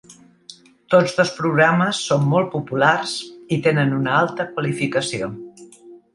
Todos dos programes són molt populars i tenen una alta qualificació.